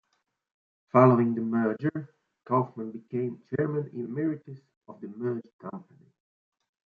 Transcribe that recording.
Following the merger, Kauffman became chairman emeritus of the merged company.